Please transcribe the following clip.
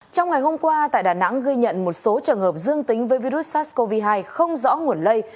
trong ngày hôm qua tại đà nẵng ghi nhận một số trường hợp dương tính với virus sars cov hai không rõ nguồn lây